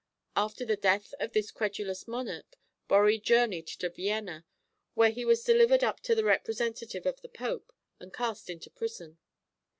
After the death of this credulous monarch Borri journeyed to Vienna, where he was delivered up to the representative of the Pope, and cast into prison.